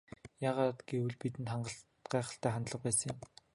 Яагаад гэвэл бидэнд гайхалтай хандлага байсан юм.